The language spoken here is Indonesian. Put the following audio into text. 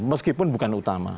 meskipun bukan utama